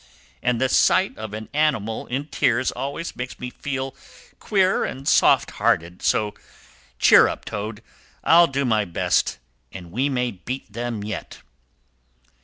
And the sight of an animal in tears always makes me feel queer and softhearted. So cheer up, Toad! I'll do my best, and we may beat them yet!"